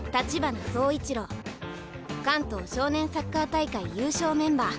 関東少年サッカー大会優勝メンバー。